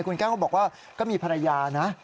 คุณแก้วเขาบอกว่าก็มีภรรยานะ